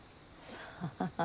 さあ？